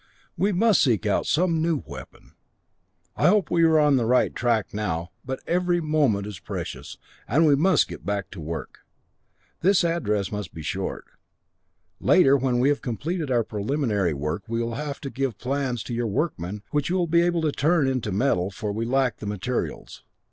We must seek out some new weapon. I hope we are on the right track now, but every moment is precious, and we must get back to the work. This address must be short. Later, when we have completed our preliminary work, we will have to give plans to your workmen, which you will be able to turn into metal, for we lack the materials.